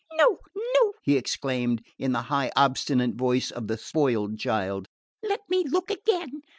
"No, no," he exclaimed, in the high obstinate voice of the spoiled child, "let me look again...